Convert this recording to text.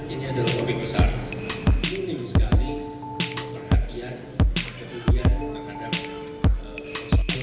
ini adalah topik besar ini lebih sekali perhatian ketujuan terhadap